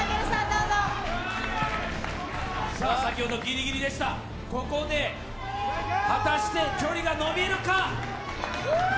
どうぞうわさあ先ほどギリギリでしたここで果たして距離が伸びるか・フーッ！